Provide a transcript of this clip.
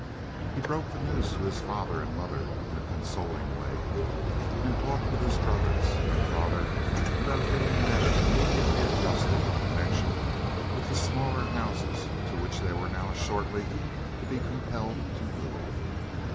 He broke the news to his father and mother in a consoling way and talked with his brothers and father about getting matters immediately adjusted in connection with the smaller houses to which they were now shortly to be compelled to move.